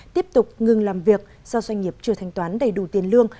tiếp tục ngừng làm việc do doanh nghiệp chưa thanh toán đầy đủ tiền lương